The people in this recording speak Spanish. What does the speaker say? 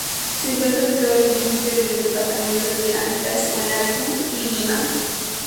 Se encuentra ubicado en el límite de los departamentos de Áncash, Huánuco y Lima.